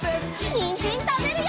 にんじんたべるよ！